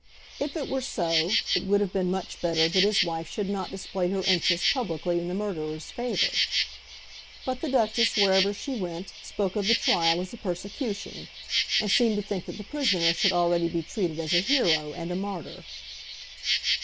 If it were so, it would have been much better that his wife should not display her interest publicly in the murderer's favour. But the Duchess, wherever she went, spoke of the trial as a persecution; and seemed to think that the prisoner should already be treated as a hero and a martyr.